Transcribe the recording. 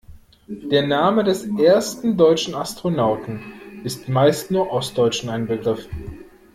Der Name des ersten deutschen Astronauten ist meist nur Ostdeutschen ein Begriff.